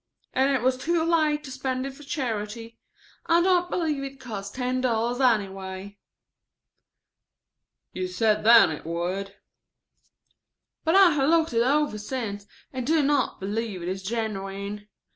And it was too late to spend it for charity. I don't believe it cost ten dollars anyway." "You said then it would." "But I have looked it over since and do not believe it is genuine.